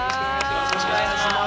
よろしくお願いします。